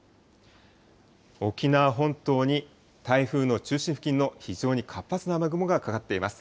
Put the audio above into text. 沖縄本島に台風の中心付近の非常に活発な雨雲がかかっています。